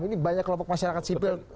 ini banyak kelompok masyarakat sipil